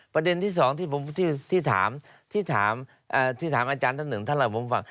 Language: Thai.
ประเด็นที่๒ที่ถามอาจารย์ท่านหนึ่งท่านหลังผมฟัง